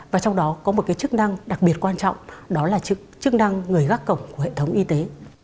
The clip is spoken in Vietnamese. và trong đó có một cái chức năng đặc biệt quan trọng đó là chức năng người gác cổng của hệ thống y tế